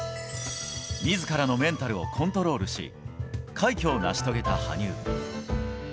みずからのメンタルをコントロールし、快挙を成し遂げた羽生。